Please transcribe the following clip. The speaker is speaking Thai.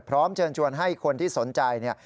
พร้อมเชิญให้คนที่สนใจ